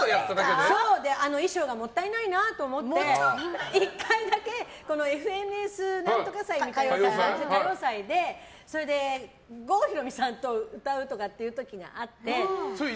あの衣装がもったいないなと思って１回だけ「ＦＮＳ歌謡祭」で郷ひろみさんと歌うとかって時があって。